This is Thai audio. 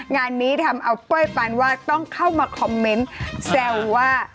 งานนี้ทำเอาเป้ยปานวาดต้องเข้ามาคอมเมนต์แซวว่า